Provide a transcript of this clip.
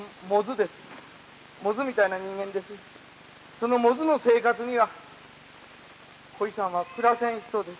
その百舌の生活にはこいさんは暮らせん人です。